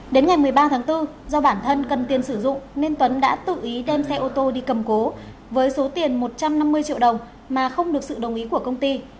đến ngày một mươi ba tháng bốn do bản thân cần tiền sử dụng nên tuấn đã tự ý đem xe ô tô đi cầm cố với số tiền một trăm năm mươi triệu đồng mà không được sự đồng ý của công ty